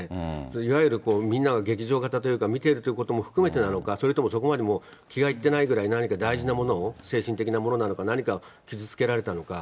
いわゆるみんなが、劇場型というか、見ているっていうことも含めてなのか、それともそこまで気がいってないくらい、何か大事なものを、精神的なものなのか、何か傷つけられたのか。